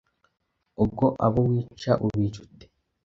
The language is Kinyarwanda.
ubwo abo wica ubica ute